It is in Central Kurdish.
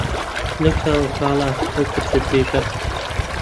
لەو چاوە کاڵە لەو پرچە درێژە